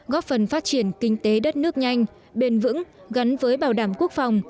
góp phần phát triển kinh tế đất nước nhanh bền vững gắn với bảo đảm quốc phòng